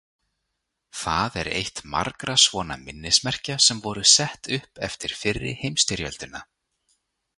Það er eitt margra svona minnismerkja sem voru sett upp eftir fyrri heimsstyrjöldina.